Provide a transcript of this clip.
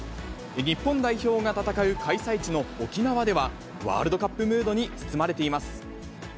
日本代表が戦う開催地の沖縄では、ワールドカップムードに包まれています。